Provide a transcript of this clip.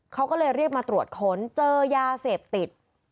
เขาก็เลยเรียกมาตรวจค้นเจอยาเสพติด